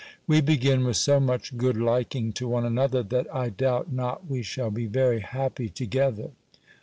We begin with so much good liking to one another, that I doubt not we shall be very happy together.